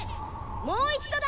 もう一度だ！